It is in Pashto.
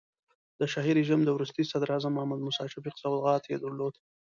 د شاهي رژیم د وروستي صدراعظم محمد موسی شفیق سوغات یې درلود.